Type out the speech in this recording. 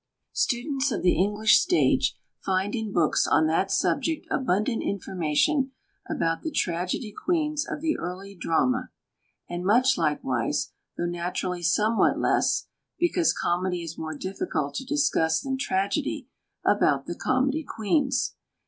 Students of the English stage find in books on that subject abundant information about the tragedy queens of the early drama, and much likewise, though naturally somewhat less (because comedy is more difficult to discuss than tragedy), about the comedy queens.